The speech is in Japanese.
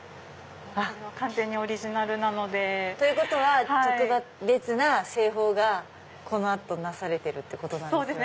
完全にオリジナルなので。ということは特別な製法がこの後なされてるってことなんですよね。